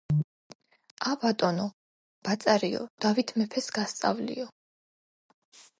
ა ბატონო ბაწარიო, დავით მეფეს გასწავლიო.